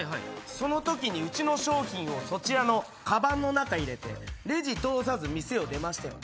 その時にうちの商品をそちらのカバンの中入れてレジ通さず店を出ましたよね。